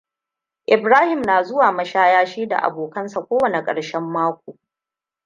Ibrahim na zuwa mashaya shi da abokansa ko wane ƙarshen mako.